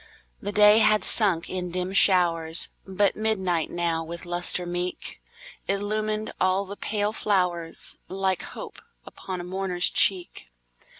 The day had sunk in dim showers, But midnight now, with lustre meek, Illumined all the pale flowers, Like hope upon a mourner's cheek.